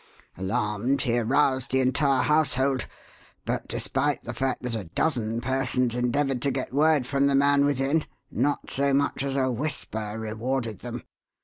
Alarmed, he aroused the entire household; but despite the fact that a dozen persons endeavoured to get word from the man within, not so much as a whisper rewarded them.